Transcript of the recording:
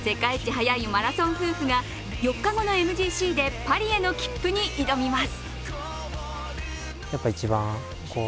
速いマラソン夫婦が４日後のＭＧＣでパリへの切符に挑みます。